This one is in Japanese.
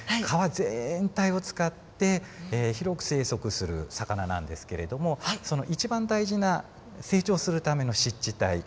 川全体を使って広く生息する魚なんですけれども一番大事な成長するための湿地帯